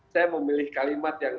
saya memilih kalimat yang